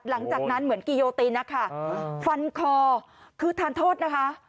หลังจากนั้นเหมือนกิโยตินนะคะฟันคอคือทานโทษนะคะ